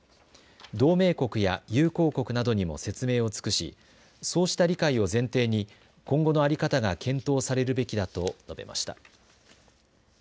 同盟国や友好国などにも説明を尽くしそうした理解を前提に今後の在り方が検討されるべきだと述べました。